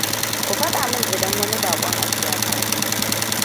Ku faɗa min idan wani baƙon abu ya faru.